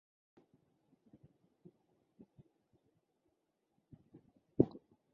মন্তব্য করুন